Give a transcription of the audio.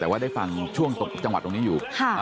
แต่ว่าได้ฟังช่วงจังหวัดตรงนี้อยู่